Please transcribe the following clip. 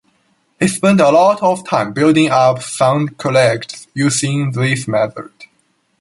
He spent a lot of time building up sound collages using this method.